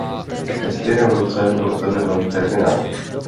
Ve stejném roce byl otevřen nový terminál.